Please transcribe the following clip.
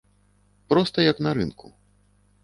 Проста як на рынку.